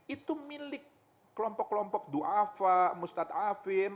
itu milik kelompok kelompok du'afa mustad'afin